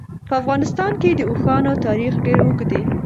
په افغانستان کې د اوښانو تاریخ ډېر اوږد دی.